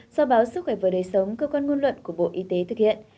do báo sức khỏe vừa đầy sống cơ quan nguồn luận của bộ y tế thực hiện